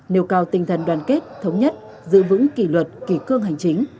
nêu cao tinh thần đoàn kết thống nhất giữ vững kỷ luật kỷ cương hành chính